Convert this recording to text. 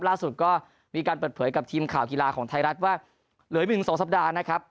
ล่าสุดก็มีการเปิดเผยกับทีมข่าวกีฬาของไทยรัฐว่าเหลือ๑๒สัปดาห์นะครับ